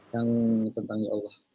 yang tentang ya allah